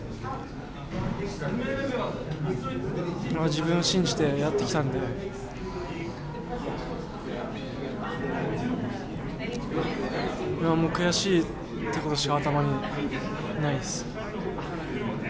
自分を信じてやってきたので悔しいということしか頭にないです。